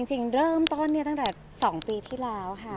จริงเริ่มต้นตั้งแต่๒ปีที่แล้วค่ะ